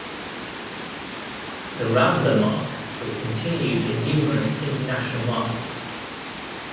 The Rambler marque was continued in numerous international markets.